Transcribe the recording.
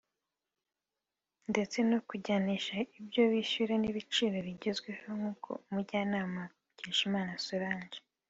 ndetse no kujyanisha ibyo bishyura n’ibiciro bigezweho; nk’uko umujyanama Mukeshimana Solange